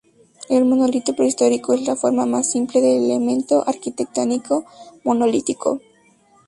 El monolito prehistórico es la forma más simple de elemento arquitectónico monolítico.